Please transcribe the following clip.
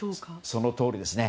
そのとおりですね。